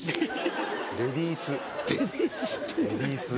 レディース。